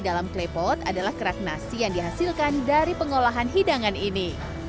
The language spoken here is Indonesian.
dalam klepot adalah kerak nasi yang dihasilkan dari pengolahan hidangan ini